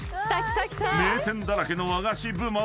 ［名店だらけの和菓子部門］